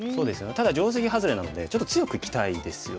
ただ定石ハズレなのでちょっと強くいきたいですよね。